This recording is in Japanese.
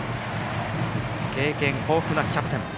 経験豊富なキャプテン。